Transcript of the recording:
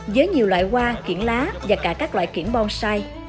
với nhiều loại hoa kiển lá và cả các loại kiển bonsai